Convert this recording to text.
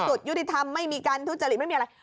เผื่อชุดยุติธรรมมีการทุจริตไม่มีอะไร